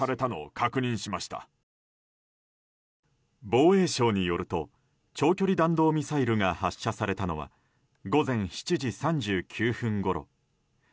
防衛省によると長距離弾道ミサイルが発射されたのは午前７時３９分ごろ。